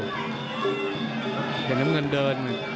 เดี๋ยวน้องมือลี่นเดิน